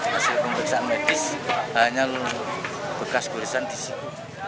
dan hasil pembelaan medis hanya bekas kulisan disini